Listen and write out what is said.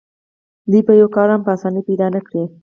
دوی به یو کار هم په اسانۍ پیدا نه کړي